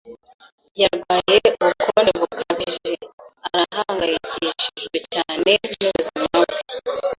Yarwaye ubukonje bukabije. Arahangayikishijwe cyane n'ubuzima bwe.